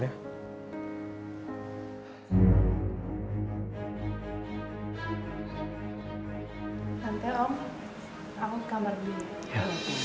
tenteng om aku ke kamarnya